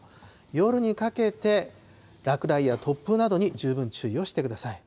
夜にかけて、落雷や突風などに十分注意をしてください。